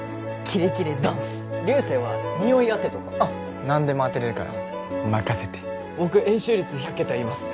キレキレダンス竜星はにおい当てとかあっ何でも当てれるから任せて僕円周率１００桁言えます